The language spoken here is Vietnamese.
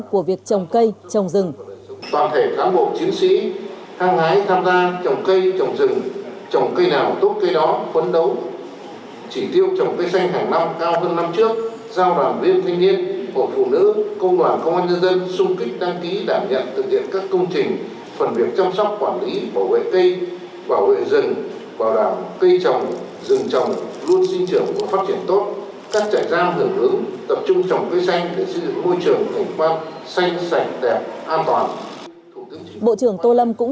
của việc trồng cây trồng rừng